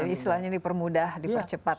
jadi isilahnya dipermudah dipercepat